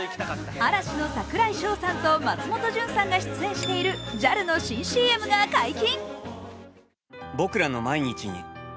嵐の櫻井翔さんと松本潤さんが主演しているＪＡＬの新ＣＭが解禁。